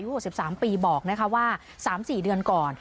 ยูหกสิบสามปีบอกนะคะว่าสามสี่เดือนก่อน